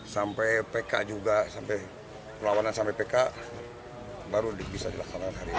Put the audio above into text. sampai pk juga sampai perlawanan sampai pk baru bisa dilaksanakan hari ini